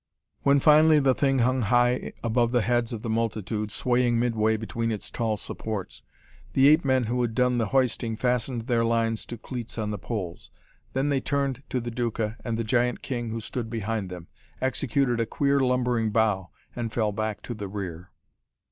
When finally the thing hung high above the heads of the multitude, swaying midway between its tall supports, the ape men who had done the hoisting fastened their lines to cleats on the poles. Then they turned to the Duca and the giant king who stood behind them, executed a queer, lumbering bow, and fell back to the rear.